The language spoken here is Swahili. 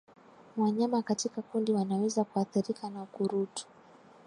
Wanyama katika kundi wanaweza kuathirika na ukurutu